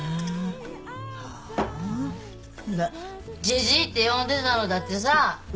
じじいって呼んでたのだってさ